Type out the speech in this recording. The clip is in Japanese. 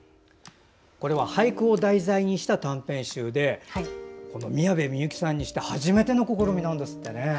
これは俳句を題材にした短編集でこの宮部みゆきさんにして初めての試みなんですね。